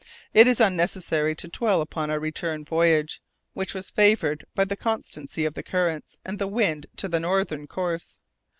It is unnecessary to dwell upon our return voyage, which was favoured by the constancy of the currents and the wind to their northern course.